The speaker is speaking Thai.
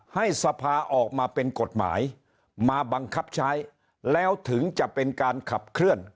ให้สภาออกมาเป็นกฎหมายมาบังคับใช้แล้วถึงจะเป็นการขับเคลื่อน